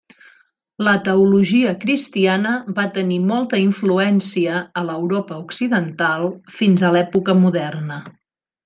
La teologia cristiana va tenir molta influència a l'Europa occidental fins a l'època moderna.